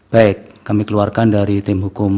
baik kami keluarkan dari tim hukum